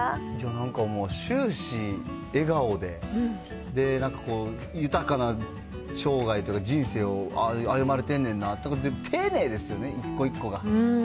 なんかもう終始笑顔で、なんかこう、豊かな生涯というか人生を歩まれてんねんなっていうか、ていねいですよね、一個一個が。